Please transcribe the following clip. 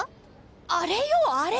あれよあれ。